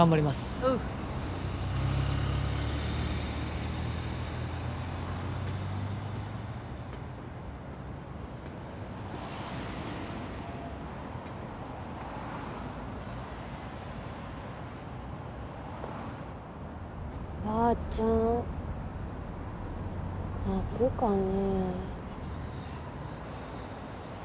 おうばーちゃん泣くかね